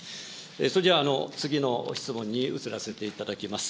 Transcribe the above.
それじゃあ、次の質問に移らせていただきます。